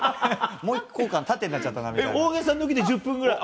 もう１個が縦になっちゃった大げさ抜きで、１０分ぐらい？